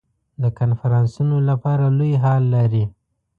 د کنفرانسونو لپاره لوی هال لري.